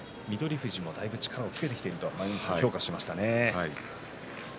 富士もだいぶ力をつけてきていると舞の海さん、評価していましたね。